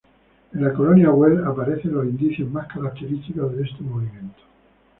En la Colonia Güell aparecen los indicios más característicos de este movimiento.